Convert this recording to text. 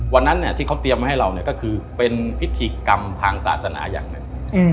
วันนั้นที่เขาเตรียมมาให้เราก็คือเป็นพิธีกรรมทางศาสนาอย่างหนึ่ง